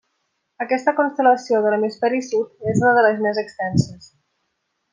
Aquesta constel·lació de l'hemisferi sud és una de les més extenses.